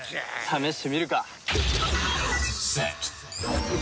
試してみるか。